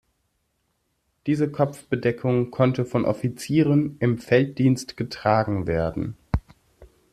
Diese Kopfbedeckung konnte von Offizieren im Felddienst getragen werden.